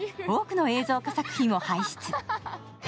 多くの映像化作品を輩出。